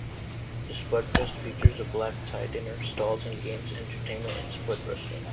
The SpudFest features a black tie dinner, stalls and games, entertainment, and 'spud wrestling'.